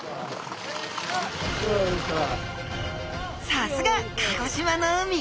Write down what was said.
さすが鹿児島の海！